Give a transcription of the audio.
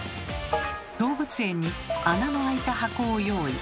動物園に穴のあいた箱を用意。